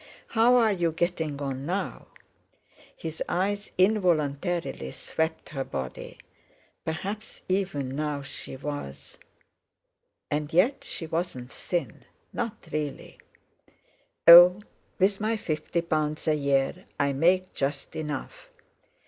How are you getting on now?" His eyes involuntarily swept her body. Perhaps even now she was—! And yet she wasn't thin—not really! "Oh! with my fifty pounds a year, I make just enough."